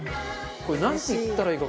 これなんて言ったらいいか。